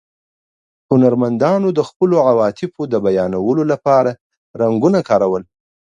هنرمندانو د خپلو عواطفو د بیانولو له پاره رنګونه کارول.